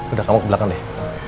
udah kawah ke belakang deh